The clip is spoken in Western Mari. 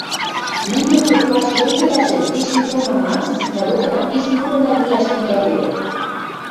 Нинет вет пач векӹлӓжӹ, тишкӹ толмына анзыц, мӓ докына пиш пурывлӓ лиӓш тӹнгӓлевӹ...